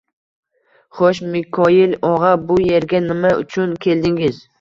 Xo`sh, Mikoyil og`a, bu erga nima uchun keldingiz